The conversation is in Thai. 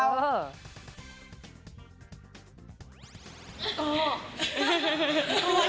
เกาะ